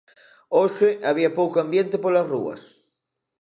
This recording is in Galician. Hoxe había pouco ambiente polas rúas.